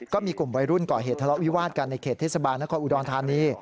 ก็มีกลุ่มวัยรุ่นก่อเหตุทะเลาะวิวาดกันในเขตเทศบาลนครอุดรธานี